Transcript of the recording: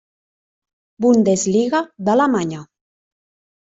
Bundesliga d'Alemanya.